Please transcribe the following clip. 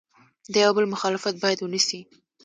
د یو بل مخالفت باید ونسي.